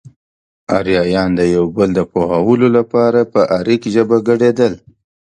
اريايان د يو بل د پوهولو لپاره په اريک ژبه ګړېدل.